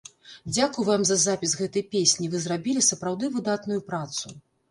Дзякуй вам за запіс гэтай песні, вы зрабілі сапраўды выдатную працу.